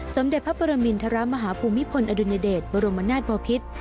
สมเด็จพระปรมินทรมาฮภูมิพลอดุญเดชบรมนาศบอพิษ